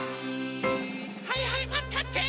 はいはいマンたって！